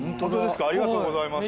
ありがとうございます。